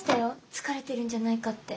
疲れてるんじゃないかって。